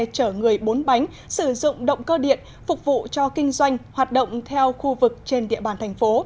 chở người bốn bánh sử dụng động cơ điện phục vụ cho kinh doanh hoạt động theo khu vực trên địa bàn thành phố